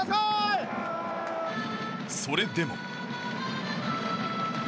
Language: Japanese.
それでも。